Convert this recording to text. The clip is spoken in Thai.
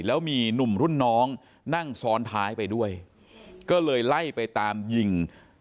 แล้วมีหนุ่มรุ่นน้องนั่งซ้อนท้ายไปด้วยก็เลยไล่ไปตามยิง